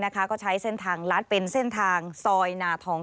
ก็ใช้เส้นทางลัดเป็นเส้นทางซอยนาทอง